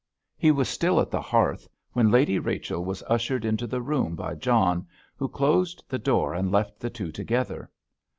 He was still at the hearth when Lady Rachel was ushered into the room by John, who closed the door and left the two together.